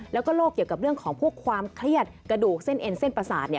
แล้วก็โรคเกี่ยวกับเรื่องของพวกความเครียดกระดูกเส้นเอ็นเส้นประสาท